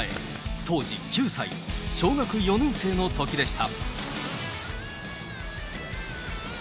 当時９歳、小学４年生のときでした。